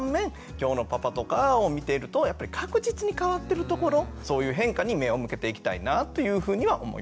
今日のパパとかを見てるとやっぱり確実に変わってるところそういう変化に目を向けていきたいなというふうには思います。